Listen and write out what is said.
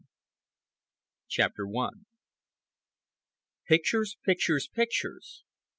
CHAPTER I Pictures! Pictures! Pictures!